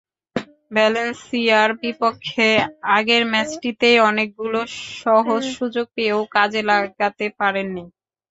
ভ্যালেন্সিয়ার বিপক্ষে আগের ম্যাচটিতেই অনেকগুলো সহজ সুযোগ পেয়েও কাজে লাগাতে পারেননি।